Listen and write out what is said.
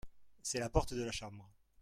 c'est la porte de la chambre.